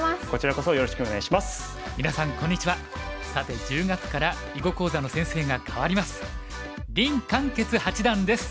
さて１０月から囲碁講座の先生が替わります。